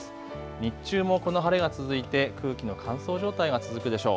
日中もこの晴れが続いて空気の乾燥状態が続くでしょう。